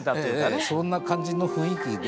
そんな感じの雰囲気で。